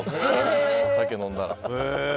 お酒飲んだら。